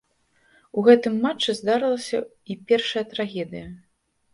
У гэтым матчы здарылася й першая трагедыя.